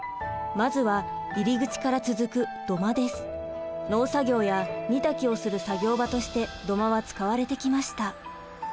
まずは入り口から続く農作業や煮炊きをする作業場として土間は使われてきました。